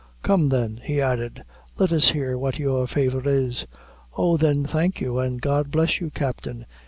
"Come, then," he added; "let us hear what your favor is?" "Oh, thin, thank you, an' God bless you, captain.